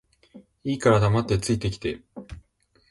いいから黙って着いて来て